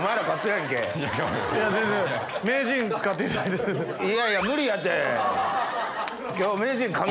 いや全然名人使っていただいて。